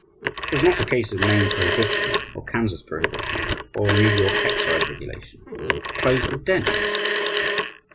It was not a case of Maine prohibition, or Kansas prohibition, or New York excise regulation. He closed the dens!